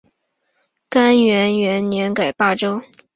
干元元年改霸州。